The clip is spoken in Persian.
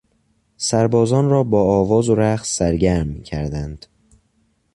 سربازان را با آواز و رقص سرگرم میکردند.